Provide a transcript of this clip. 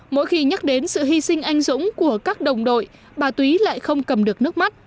mỗi khi nhắc đến sự hy sinh anh dũng của các đồng đội bà túy lại không cầm được nước mắt